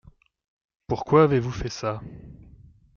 Pourquoi avez-vous fait ça ?